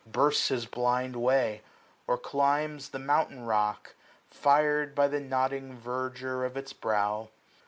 Bursts his blind way ; or climbs the mountain rock, FirM by the nodding verdure of its brow.